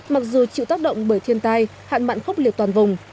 mặc dù chịu tác động bởi thiên tai hạn mạn khốc liệt toàn vùng